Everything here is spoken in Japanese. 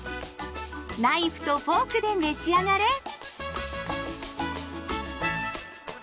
ナイフとフォークで召し上がれ！